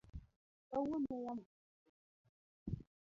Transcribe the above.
Kawuono yamo fudho